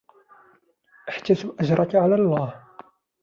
احتسب أجرك على الله